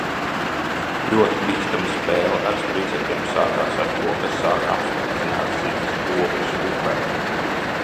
Ļoti bīstama spēle ar spridzekļiem sākās ar to, ka sākām spridzināt zivis Ogres upē.